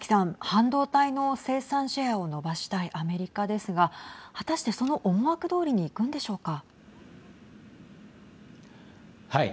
半導体の生産シェアを伸ばしたいアメリカですが果たして、その思惑どおりにいくんでしょうか。